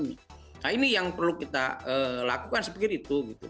nah ini yang perlu kita lakukan seperti itu